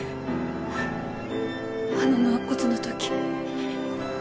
あの納骨の時。